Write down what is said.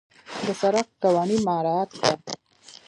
د سړک قوانين مراعت کړه.